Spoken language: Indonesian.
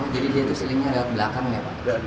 jadi dia tuh selingnya lewat belakang ya pak